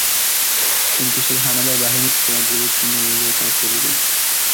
কিন্তু সেই হানাদার বাহিনীর ছোড়া গুলির চিহ্ন রয়ে যায় তাঁর শরীরে।